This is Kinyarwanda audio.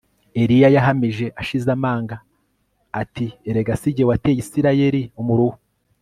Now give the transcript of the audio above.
Eliya yahamije ashize amanga ati Erega si jye wateye Isirayeli umuruho